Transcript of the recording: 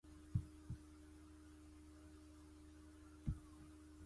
大雪紛飛何所似，請用海倫仙度斯